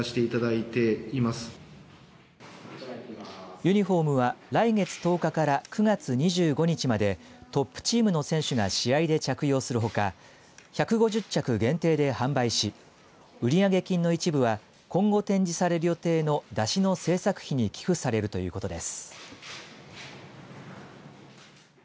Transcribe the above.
ユニフォームは来月１０日から９月２５日までトップチームの選手が試合で着用するほか１５０着限定で販売し売り上げ金の一部は今後展示される予定の山車の制作費に寄付されるということです。